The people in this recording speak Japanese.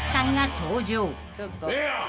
ええやん！